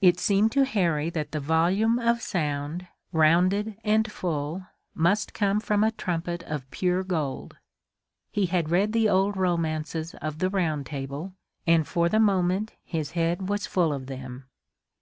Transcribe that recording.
It seemed to Harry that the volume of sound, rounded and full, must come from a trumpet of pure gold. He had read the old romances of the Round Table, and for the moment his head was full of them.